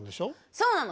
そうなの。